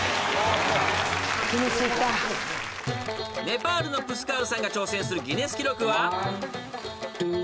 ［ネパールのプスカールさんが挑戦するギネス記録は？］